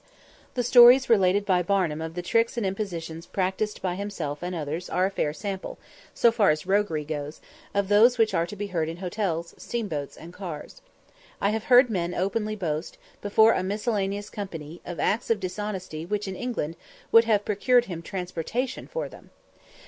The stories related by Barnum of the tricks and impositions practised by himself and others are a fair sample, so far as roguery goes, of those which are to be heard in hotels, steamboats, and cars. I have heard men openly boast, before a miscellaneous company, of acts of dishonesty which in England would have procured transportation for them.